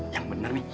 yang bener mi